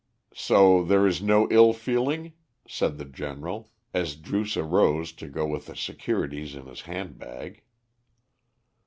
"So there is no ill feeling?" said the General, as Druce arose to go with the securities in his handbag.